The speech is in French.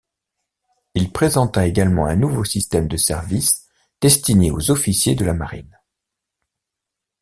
Il présenta également un nouveau système de service destiné aux officiers de la marine.